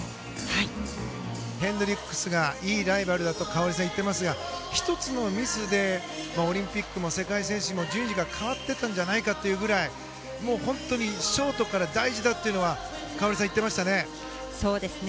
ヘンドリックスがいいライバルだと花織さんは言っていますが１つのミスでオリンピックも世界戦選手権も順位が変わっていたんじゃないかというぐらいショートから大事だと花織さんは言っていましたね。